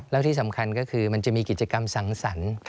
แล้วที่สำคัญก็คือมันจะมีกิจกรรมสังสรรค์